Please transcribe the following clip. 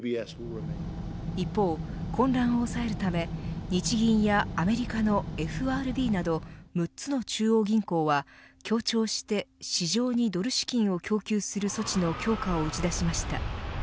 一方混乱を抑えるため日銀やアメリカのＦＲＢなど６つの中央銀行は協調して市場にドル資金を供給する措置の強化を打ち出しました。